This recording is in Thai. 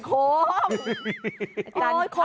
อาจารย์โคม